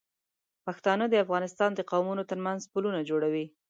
پښتانه د افغانستان د قومونو تر منځ پلونه جوړوي.